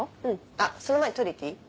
あっその前にトイレ行っていい？